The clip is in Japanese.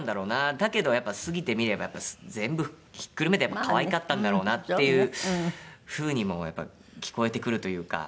だけどやっぱ過ぎてみれば全部ひっくるめて可愛かったんだろうなっていう風にもやっぱり聞こえてくるというか。